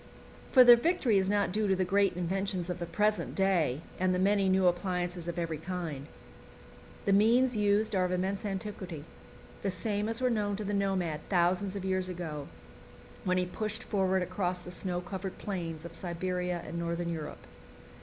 For the victory is not due to the great inventions of the present day and the many new appliances of every kind. The means used are of immense antiquity, the same as were known to the nomad thousands of years ago, when he pushed forward across the snow covered plains of Siberia and Northern Europe.